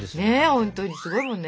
本当にすごいもんね。